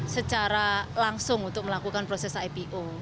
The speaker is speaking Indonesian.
secara langsung untuk melakukan proses ipo